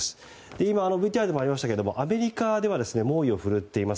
今、ＶＴＲにもありましたがアメリカでは猛威を振るっています。